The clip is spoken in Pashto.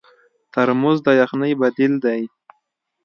ترموز د یخنۍ بدیل دی.